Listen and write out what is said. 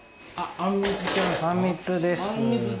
あんみつです。